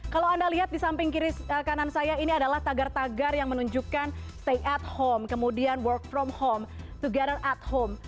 kalau anda lihat di samping kiri kanan saya ini adalah tagar tagar yang menunjukkan stay at home kemudian work from home together at home